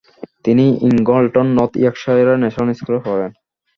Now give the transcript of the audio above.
তিনি Ingleton, north ইয়র্কশায়ারের national স্কুলে পড়তেন।